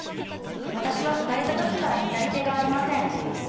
わたしは生まれたときから左手がありません。